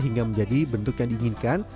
hingga menjadi bentuk yang diinginkan